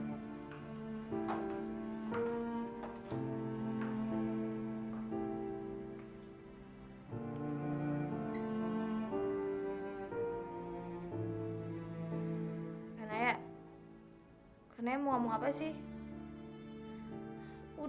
itulah apa yang beliau paksakan